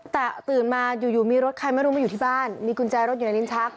แต่ตื่นมาอยู่มีรถใครไม่รู้มาอยู่ที่บ้านมีกุญแจรถอยู่ในลิ้นชัก